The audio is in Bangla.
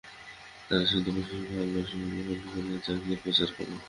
তাঁহারা সিদ্ধপুরুষগণের ভাবরাশি গ্রহণ করিয়া জগতে প্রচার করেন।